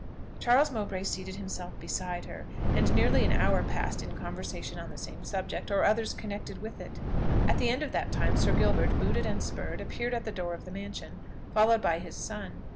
Charles Mowbray seated himself beside her, and nearly an hour was passed in conversation on the same subject, or others connected with it. At the end of that time, Sir Gilbert, booted and spurred, appeared at the door of the mansion, followed by his son.